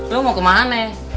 lu mau kemana